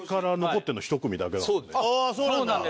ああそうなんだ。